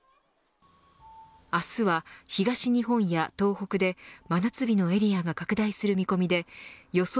明日は東日本や東北で真夏日のエリアが拡大する見込みで予想